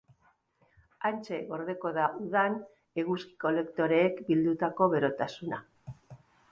Hantxe gordeko da udan eguzki-kolektoreek bildutako berotasuna.